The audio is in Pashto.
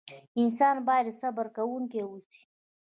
انسان بايد صبر کوونکی واوسئ.